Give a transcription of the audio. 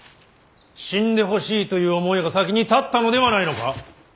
死んでほしいという思いが先に立ったのではないのか。